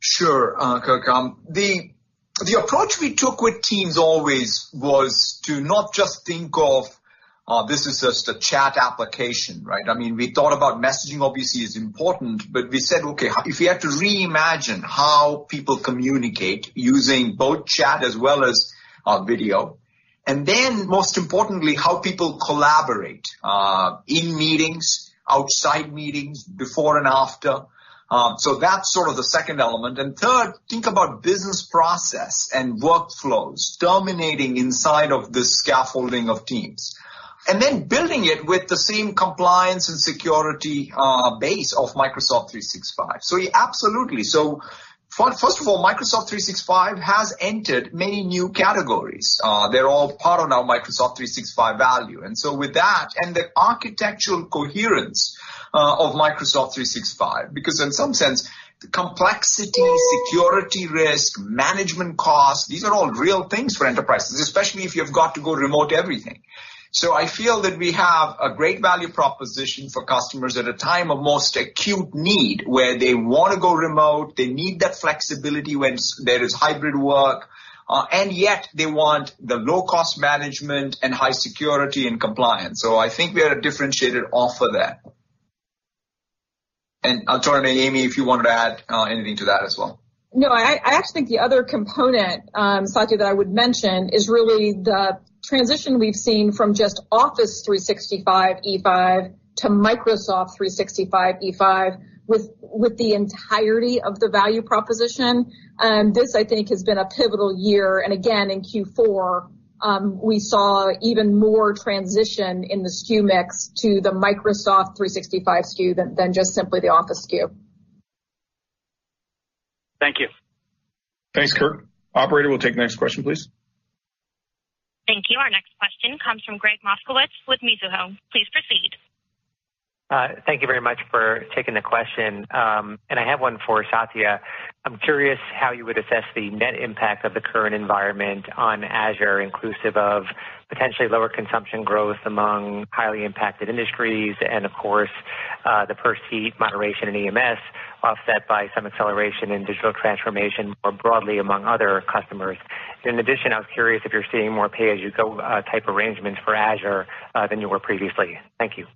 Sure, Kirk. The approach we took with Teams always was to not just think of, this is just a chat application, right? I mean, we thought about messaging obviously is important, but we said, okay, if you had to reimagine how people communicate using both chat as well as, video, and then most importantly, how people collaborate, in meetings, outside meetings, before and after. That's sort of the second element. Third, think about business process and workflows dominating inside of the scaffolding of Teams, and then building it with the same compliance and security, base of Microsoft 365. Yeah, absolutely. First of all, Microsoft 365 has entered many new categories. They're all part of now Microsoft 365 value. With that and the architectural coherence of Microsoft 365, because in some sense, the complexity, security risk, management costs, these are all real things for enterprises, especially if you've got to go Remote Everything. I feel that we have a great value proposition for customers at a time of most acute need, where they wanna go remote, they need that flexibility when there is hybrid work, and yet they want the low-cost management and high security and compliance. I think we have a differentiated offer there. I'll turn to Amy if you wanted to add anything to that as well. No, I actually think the other component, Satya, that I would mention is really the transition we've seen from just Office 365 E5 to Microsoft 365 E5 with the entirety of the value proposition. This, I think has been a pivotal year. Again, in Q4, we saw even more transition in the SKU mix to the Microsoft 365 SKU than just simply the Office SKU. Thank you. Thanks, Kirk. Operator, we'll take the next question, please. Thank you. Our next question comes from Gregg Moskowitz with Mizuho. Please proceed. Thank you very much for taking the question. I have one for Satya. I'm curious how you would assess the net impact of the current environment on Azure, inclusive of potentially lower consumption growth among highly impacted industries and of course, the per seat moderation in EMS offset by some acceleration in digital transformation more broadly among other customers. In addition, I was curious if you're seeing more pay-as-you-go type arrangements for Azure than you were previously. Thank you.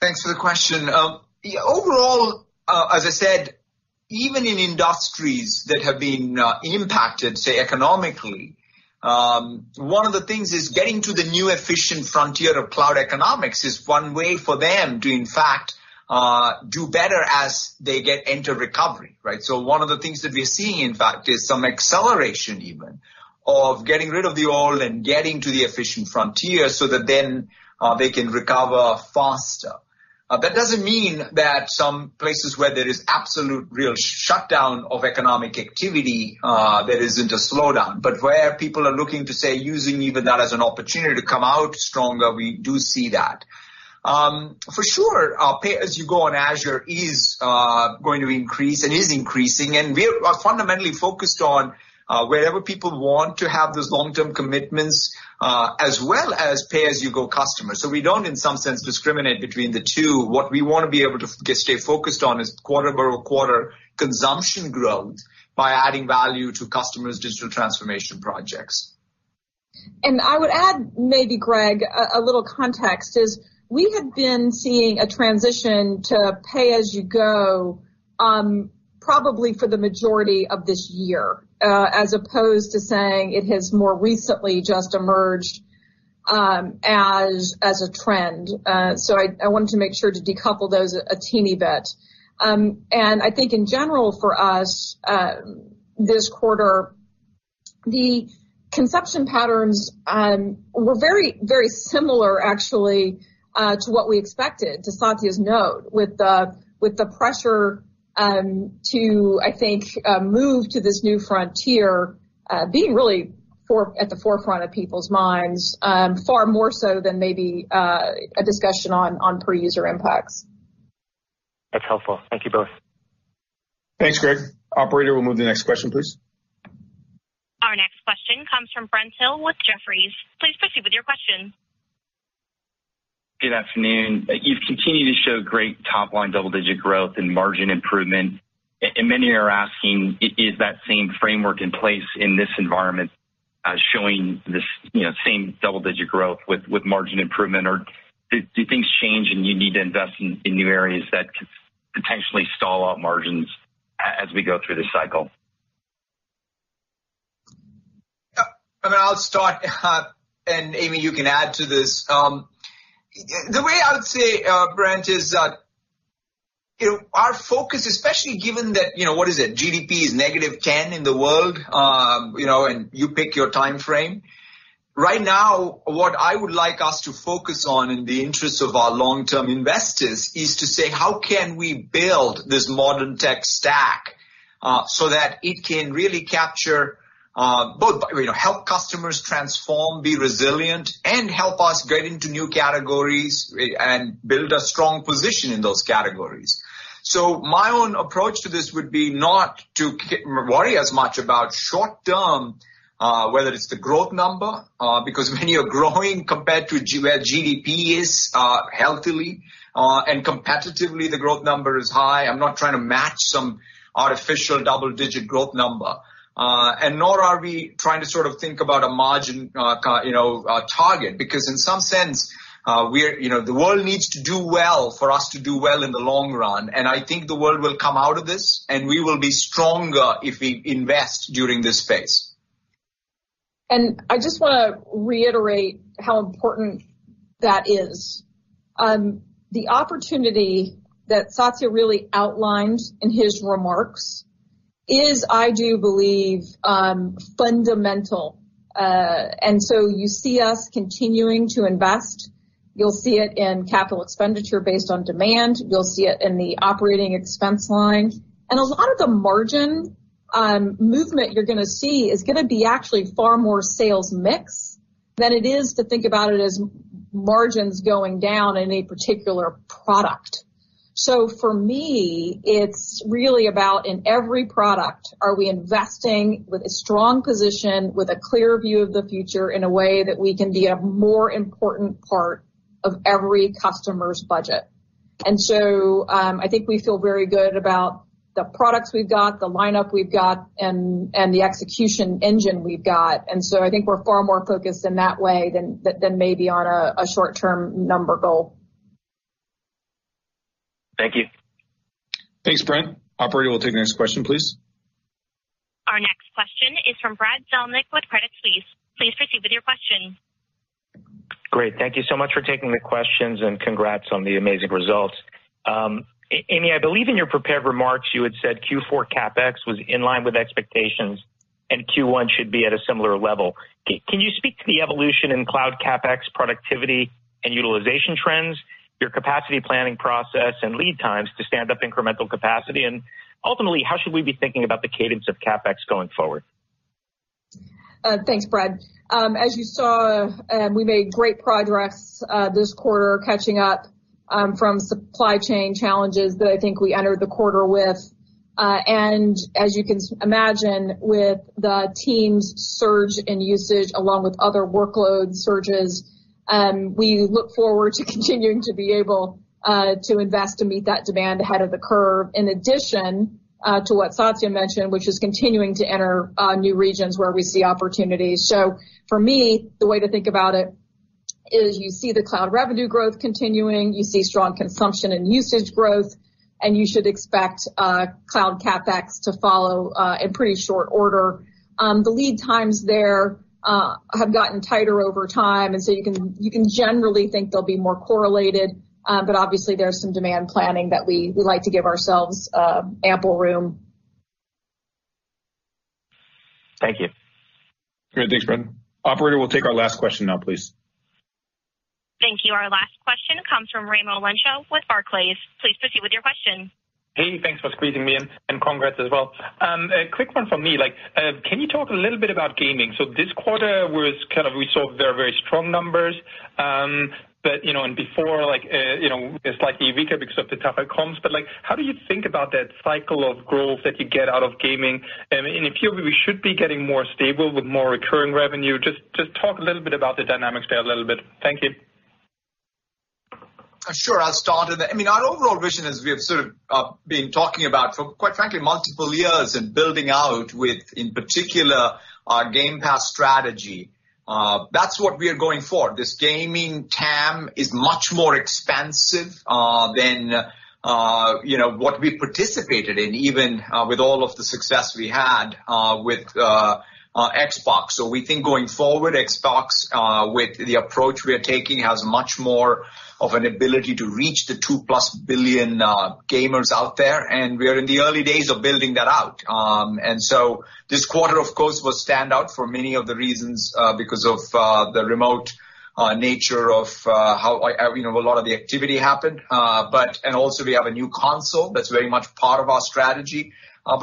Thanks for the question. Overall, as I said, even in industries that have been impacted, say, economically, one of the things is getting to the new efficient frontier of cloud economics is one way for them to, in fact, do better as they get enter recovery, right? One of the things that we're seeing, in fact, is some acceleration even of getting rid of the old and getting to the efficient frontier so that then they can recover faster. That doesn't mean that some places where there is absolute real shutdown of economic activity, there isn't a slowdown. Where people are looking to, say, using even that as an opportunity to come out stronger, we do see that. For sure, pay-as-you-go on Azure is going to increase and is increasing, and we are fundamentally focused on wherever people want to have those long-term commitments, as well as pay-as-you-go customers. We don't in some sense discriminate between the two. What we wanna be able to stay focused on is quarter-over-quarter consumption growth by adding value to customers' digital transformation projects. I would add maybe, Gregg, a little context is we had been seeing a transition to pay-as-you-go, probably for the majority of this year, as opposed to saying it has more recently just emerged, as a trend. I wanted to make sure to decouple those a teeny bit. I think in general for us, this quarter, the consumption patterns, were very, very similar actually, to what we expected, to Satya's note, with the pressure, to I think, move to this new frontier, being really at the forefront of people's minds, far more so than maybe, a discussion on per-user impacts. That's helpful. Thank you both. Thanks, Gregg. Operator, we'll move to the next question, please. Our next question comes from Brent Thill with Jefferies. Please proceed with your question. Good afternoon. You've continued to show great top-line double-digit growth and margin improvement. Many are asking is that same framework in place in this environment as showing this, you know, same double-digit growth with margin improvement or do things change and you need to invest in new areas that could potentially stall out margins as we go through this cycle? I mean, I'll start and Amy, you can add to this. The way I would say, Brent, is that, you know, our focus, especially given that, you know, what is it? GDP is -10 in the world, you know, and you pick your timeframe. Right now, what I would like us to focus on in the interest of our long-term investors is to say, how can we build this modern tech stack, so that it can really capture, both, you know, help customers transform, be resilient, and help us get into new categories and build a strong position in those categories. My own approach to this would be not to worry as much about short-term, whether it's the growth number, because when you're growing compared to where GDP is, healthily, and competitively the growth number is high, I'm not trying to match some artificial double-digit growth number. Nor are we trying to sort of think about a margin, you know, target because in some sense, we're, you know, the world needs to do well for us to do well in the long run, and I think the world will come out of this, and we will be stronger if we invest during this phase. I just want to reiterate how important that is. The opportunity that Satya really outlined in his remarks is, I do believe, fundamental. You see us continuing to invest. You will see it in capital expenditure based on demand. You will see it in the operating expense line. A lot of the margin movement you are going to see is going to be actually far more sales mix than it is to think about it as margins going down in a particular product. For me, it is really about in every product, are we investing with a strong position, with a clear view of the future in a way that we can be a more important part of every customer's budget? I think we feel very good about the products we have got, the lineup we have got, and the execution engine we have got. I think we're far more focused in that way than maybe on a short-term number goal. Thank you. Thanks, Brent. Operator, we'll take the next question, please. Our next question is from Brad Zelnick with Credit Suisse. Please proceed with your question. Great. Thank you so much for taking the questions, and congrats on the amazing results. Amy, I believe in your prepared remarks you had said Q4 CapEx was in line with expectations and Q1 should be at a similar level. Can you speak to the evolution in cloud CapEx productivity and utilization trends, your capacity planning process and lead times to stand up incremental capacity? Ultimately, how should we be thinking about the cadence of CapEx going forward? Thanks, Brad. As you saw, we made great progress this quarter catching up from supply chain challenges that I think we entered the quarter with. As you can imagine, with the Teams' surge in usage, along with other workload surges, we look forward to continuing to be able to invest to meet that demand ahead of the curve. In addition, to what Satya mentioned, which is continuing to enter new regions where we see opportunities. For me, the way to think about it is you see the cloud revenue growth continuing, you see strong consumption and usage growth, and you should expect cloud CapEx to follow in pretty short order. The lead times there have gotten tighter over time, you can generally think they'll be more correlated. Obviously there's some demand planning that we like to give ourselves ample room. Thank you. Great. Thanks, Brad. Operator, we'll take our last question now, please. Thank you. Our last question comes from Raimo Lenschow with Barclays. Please proceed with your question. Hey, thanks for squeezing me in, and congrats as well. A quick one from me. Like, can you talk a little bit about gaming? This quarter was kind of we saw very strong numbers. You know, and before, like, you know, slightly weaker because of the tougher comps. Like, how do you think about that cycle of growth that you get out of gaming? In a few weeks, we should be getting more stable with more recurring revenue. Just talk a little bit about the dynamics there a little bit. Thank you. Sure. I'll start with that. I mean, our overall vision, as we have sort of, been talking about for, quite frankly, multiple years and building out with, in particular, our Game Pass strategy, that's what we are going for. This gaming TAM is much more expansive, than, you know, what we participated in, even, with all of the success we had, with, Xbox. So we think going forward, Xbox, with the approach we are taking, has much more of an ability to reach the 2+ billion, gamers out there, and we are in the early days of building that out. This quarter, of course, will stand out for many of the reasons, because of, the remote, nature of, how, you know, a lot of the activity happened. Also we have a new console that's very much part of our strategy.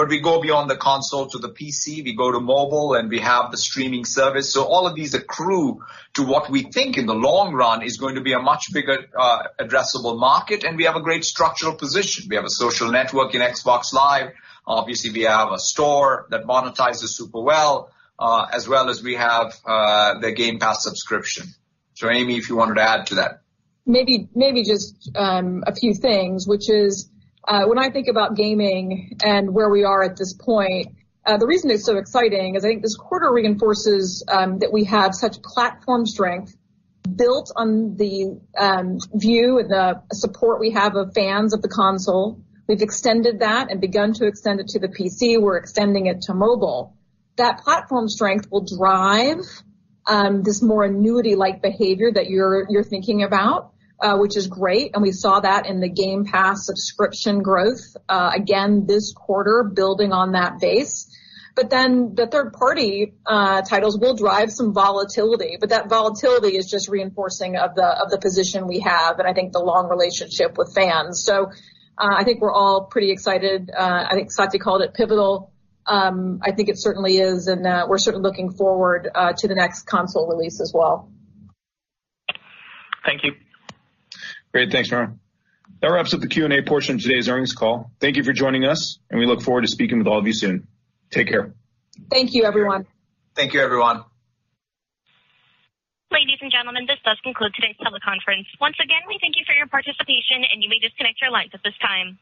We go beyond the console to the PC, we go to mobile, and we have the streaming service. All of these accrue to what we think in the long run is going to be a much bigger addressable market, and we have a great structural position. We have a social network in Xbox Live. Obviously, we have a store that monetizes super well, as well as we have the Game Pass subscription. Amy, if you wanted to add to that. Maybe just a few things, which is, when I think about gaming and where we are at this point, the reason it's so exciting is I think this quarter reinforces that we have such platform strength built on the view and the support we have of fans of the console. We've extended that and begun to extend it to the PC. We're extending it to mobile. That platform strength will drive this more annuity-like behavior that you're thinking about, which is great, and we saw that in the Game Pass subscription growth again this quarter building on that base. The third party titles will drive some volatility, but that volatility is just reinforcing of the position we have and I think the long relationship with fans. I think we're all pretty excited. I think Satya called it pivotal. I think it certainly is, and we're certainly looking forward to the next console release as well. Thank you. Great. Thanks, Raimo. That wraps up the Q&A portion of today's earnings call. Thank you for joining us, and we look forward to speaking with all of you soon. Take care. Thank you, everyone. Thank you, everyone. Ladies and gentlemen, this does conclude today's teleconference. Once again, we thank you for your participation, and you may disconnect your lines at this time.